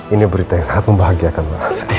ini berita yang sangat membahagiakan